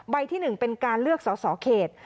ที่๑เป็นการเลือกสอสอเขต